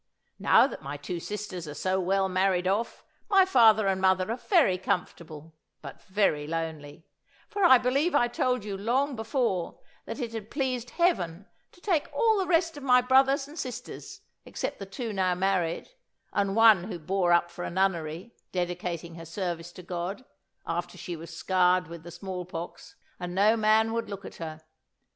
Now that my two sisters are so well married off, my father and mother are very comfortable, but very lonely; for I believe I told you long before that it had pleased Heaven to take all the rest of my brothers and sisters, except the two now married, and one who bore up for a nunnery, dedicating her service to God, after she was scarred with the small pox, and no man would look at her.